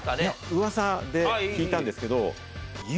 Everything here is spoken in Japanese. うわさで聞いたんですけど。